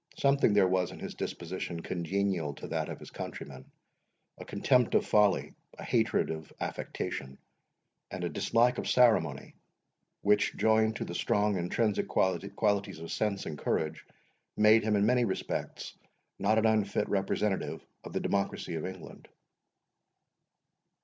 Something there was in his disposition congenial to that of his countrymen; a contempt of folly, a hatred of affectation, and a dislike of ceremony, which, joined to the strong intrinsic qualities of sense and courage, made him in many respects not an unfit representative of the democracy of England.